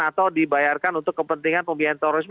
atau dibayarkan untuk kepentingan pemberian teroris